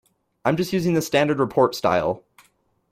I'm just using the standard report style.